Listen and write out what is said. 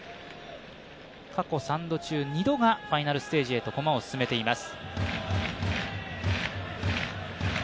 過去３度中、２度がファイナルステージへと駒を進めています。